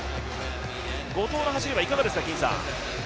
後藤の走りはいかがですか？